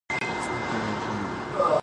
The encounter occurred in the Channel.